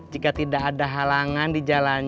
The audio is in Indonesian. jika tidak ada halangan di jalan